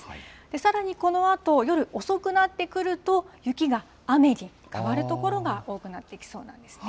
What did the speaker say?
さらにこのあと、夜遅くになってくると、雪が雨に変わる所が多くなってきそうなんですね。